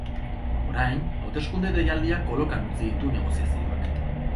Orain, hauteskunde deialdiak kolokan utzi ditu negoziazioak.